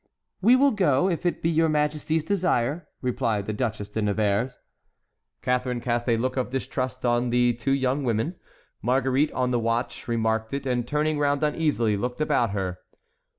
"We will go, if it be your Majesty's desire," replied the Duchesse de Nevers. Catharine cast a look of distrust on the two young women. Marguerite, on the watch, remarked it, and turning round uneasily, looked about her.